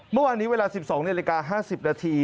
เมื่อวานนี้เวลา๑๒นิดนาทีรายการ๕๐นาที